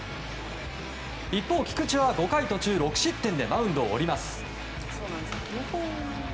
一方、菊池は５回途中６失点でマウンドを降ります。